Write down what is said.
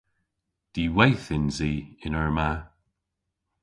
Diweyth yns i yn eur ma.